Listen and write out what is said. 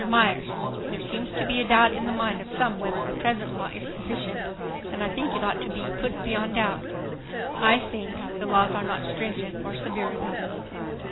MYERS: There seems to be a doubt in the mind of some whether the present law is sufficient and I think it ought to be put beyond doubt. I think ... the laws are not stringent or severe enough